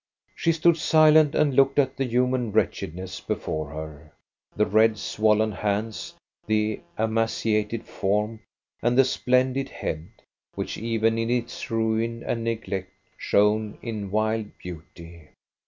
She stood silent and looked at the human wretch edness before her, the red, swollen hands, the ema ciated form, and the splendid head, which even in its ruin and neglect shone in wild beauty.